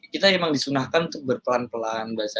kita memang disunahkan untuk berpelan pelan bahasa